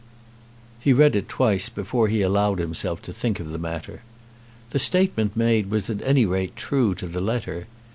He read it twice before he allowed himself to think of the matter. The statement made was at any rate true to the letter.